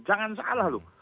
jangan salah loh